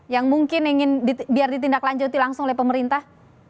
yang mungkin ingin biar ditindaklanjuti langsung oleh pemerintah